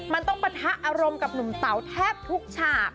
มันต้องปะทะอารมณ์กับหนุ่มเต๋าแทบทุกฉาก